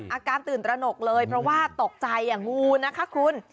อาการตื่นตระหนกเลยเพราะว่าตกใจงูนะคะคุณ